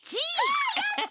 わあやった！